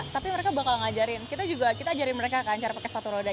tapi mereka bakal ngajarin kita juga kita ajarin mereka kan cara pake sepatu roda